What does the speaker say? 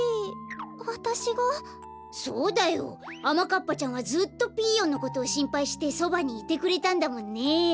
かっぱちゃんはずっとピーヨンのことをしんぱいしてそばにいてくれたんだもんね。